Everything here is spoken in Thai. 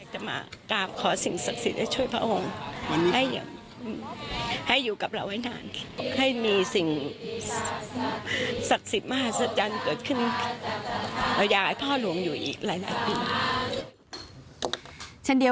จะมากราบขอสิ่งศักดิ์สิทธิ์ให้ช่วยพระองค์ให้อยู่กับเราไว้นานให้มีสิ่งศักดิ์สิทธิ์มหัศจรรย์เกิดขึ้นเราอยากให้พ่อหลวงอยู่อีกหลายปี